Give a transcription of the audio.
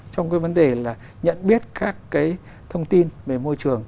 trong cái vấn đề là nhận biết các cái thông tin về môi trường